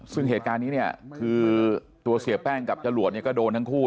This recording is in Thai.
ซึ่งเหตุการณ์นี้คือตัวเสียแป้งกับจรวดก็โดนทั้งคู่